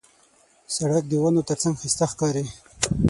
سړک د ونو ترڅنګ ښایسته ښکاري.